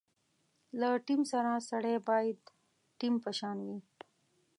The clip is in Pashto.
له ټیم سره سړی باید ټیم په شان وي.